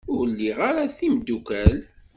Ur liɣ ara timeddukal.